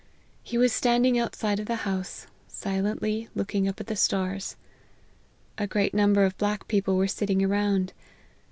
He was standing outside of the house, silently looking up at the stars. A great number of black people were sitting around.